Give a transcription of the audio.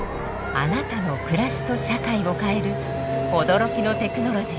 あなたの暮らしと社会を変える驚きのテクノロジー。